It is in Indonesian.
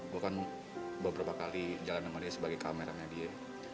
gue kan beberapa kali jalan sama dia sebagai kameranya dia